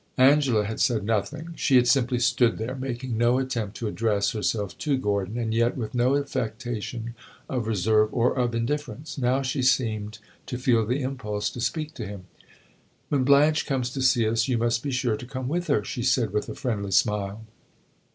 Angela had said nothing; she had simply stood there, making no attempt to address herself to Gordon, and yet with no affectation of reserve or of indifference. Now she seemed to feel the impulse to speak to him. "When Blanche comes to see us, you must be sure to come with her," she said, with a friendly smile.